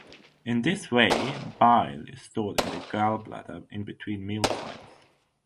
In this way, bile is stored in the gallbladder in between meal times.